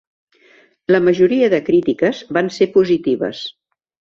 La majoria de crítiques van ser positives.